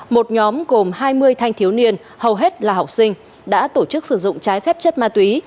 một nhóm gồm hai mươi thanh thiếu niên hầu hết là học sinh đã tổ chức sử dụng trái phép chất ma túy